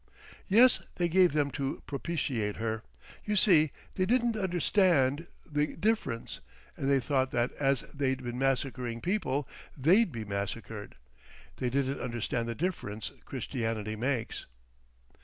"Yes, they gave them to propitiate her. You see, they didn't understand the difference, and they thought that as they'd been massacring people, they'd be massacred. They didn't understand the difference Christianity makes."...